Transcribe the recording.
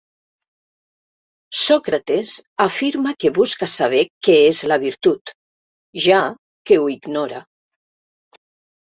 Sòcrates afirma que busca saber què és la virtut, ja que ho ignora.